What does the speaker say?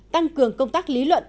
một tăng cường công tác lý luận